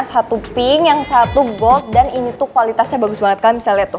satu pink yang satu gold dan ini tuh kualitasnya bagus banget kan misalnya tuh